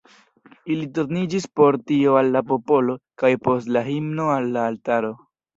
Ili turniĝis por tio al la popolo, kaj post la himno al la altaro.